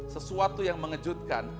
sesuatu yang mengejutkan